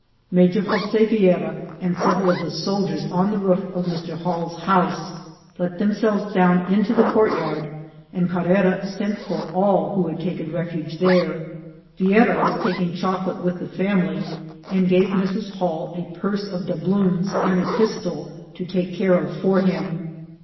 Major Jose Viera, and several of the soldiers on the roof of Mr. Hall's house, let themselves down into the courtyard, and Carrera sent for all who had taken MASSACRE. 115 refuge there. Viera was taking chocolate with the family, and gave Mrs. Hall a purse of doubloons and a pistol to take care of for him.